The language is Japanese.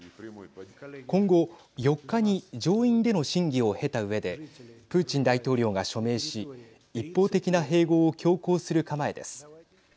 今後、４日に上院での審議を経たうえでプーチン大統領が署名し一方的な併合を強行する構えです。